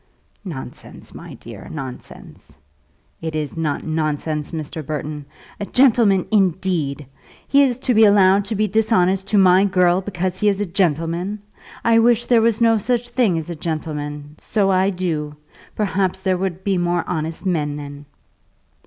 "Nonsense, my dear; nonsense." "It is not nonsense, Mr. Burton. A gentleman, indeed! He is to be allowed to be dishonest to my girl because he is a gentleman! I wish there was no such thing as a gentleman; so I do. Perhaps there would be more honest men then."